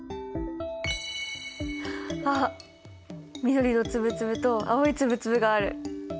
あっ緑の粒々と青い粒々がある！